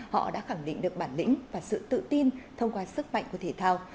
họ đã khẳng định được bản lĩnh và sự tự tin thông qua sức mạnh của thể thao